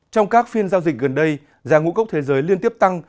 trong các phiên giao dịch gần đây giá ngũ cốc thế giới liên tiếp tăng